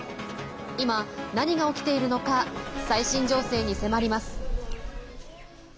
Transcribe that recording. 今、何が起きているのか最新情勢に迫ります。